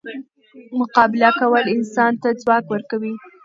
مقابله کول انسان ته ځواک ورکوي.